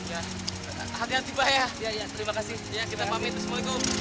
iya kita pamit assalamualaikum